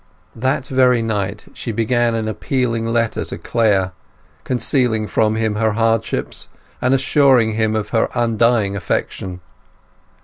That very night she began an appealing letter to Clare, concealing from him her hardships, and assuring him of her undying affection.